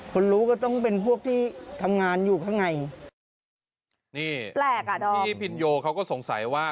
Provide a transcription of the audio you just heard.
คนรู้ก็ต้องเป็นพวกที่ทำงานอยู่ข้างในนี่แปลกอ่ะดอมที่พินโยเขาก็สงสัยว่า